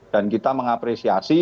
dan kita mengapresiasi